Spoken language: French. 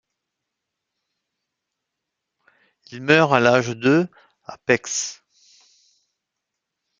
Il meurt à l'âge de à Pécs.